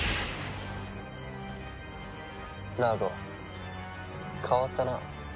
ナーゴ変わったな。